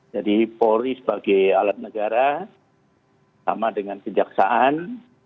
jadi polri sebagai alat negara sama dengan kejaksaan